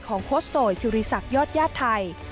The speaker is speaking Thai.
ของโคสต์โตย์สิริสักยอดยาตรไทย